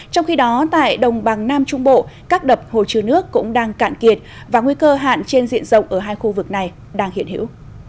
trong khi đó tại đồng bằng nam trung bộ các đập hồ chứa nước cũng đang cạn kiệt và nguy cơ hạn trên diện rộng ở hai khu vực này đang hiện hữu